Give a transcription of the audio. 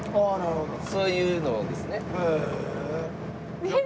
そういうのですね。